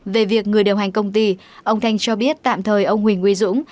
về việc người điều hành công ty ông thành cho biết tạm thời ông huỳnh nguyễn dũng